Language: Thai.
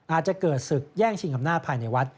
อาจจะเกิดศึกแย่งชิงอำนาจภายในวัด